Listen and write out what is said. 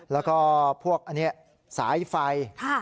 แล้วก็พวกอันนี้สายไฟ